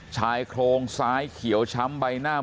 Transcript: ชายโครงซ้ายเขียวช้ำใบหน้า